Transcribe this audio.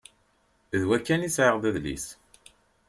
D wa kan i sεiɣ d adlis.